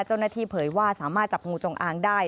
เจ้าหน้าที่เผยว่าสามารถจับงูจงอ้างได้